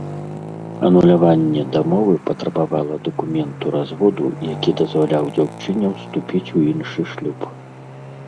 Ануляванне дамовы патрабавала дакументу разводу, які дазваляў дзяўчыне ўступіць у іншы шлюб.